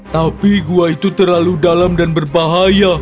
tapi gua itu terlalu dalam dan berbahaya